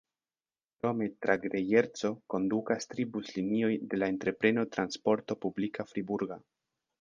Krome tra Grejerco kondukas tri buslinioj de la entrepreno Transporto Publika Friburga.